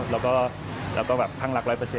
เราก็เราก็แบบพังรัก๑๐๐เขาว่าได้